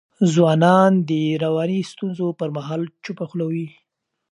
ځوانان د رواني ستونزو پر مهال چوپه خوله وي.